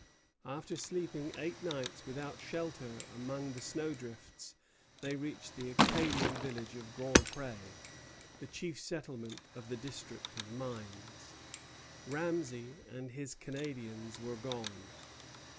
After sleeping eight nights without shelter among the snowdrifts, they reached the Acadian village of Grand Pré, the chief settlement of the district of Mines. Ramesay and his Canadians were gone.